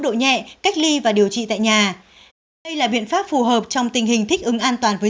độ nhẹ cách ly và điều trị tại nhà đây là biện pháp phù hợp trong tình hình thích ứng an toàn với